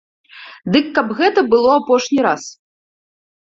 Дык каб гэта было апошні раз.